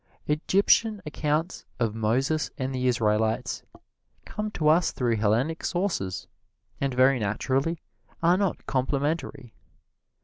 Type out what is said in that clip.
Egyptian accounts of Moses and the Israelites come to us through Hellenic sources, and very naturally are not complimentary.